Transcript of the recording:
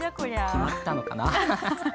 決まったのかな？